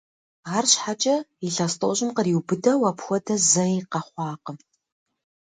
Арщхьэкӏэ илъэс тӏощӏым къриубыдэу апхуэдэ зэи къэхъуакъым.